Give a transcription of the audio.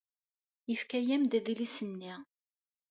Yefka-am-d adlis-nni.